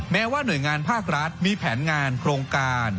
แม้ว่าหน่วยงานภาครัฐมีแผนงานโครงการ